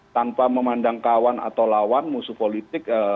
tanpa memandang kawan atau lawan musuh politik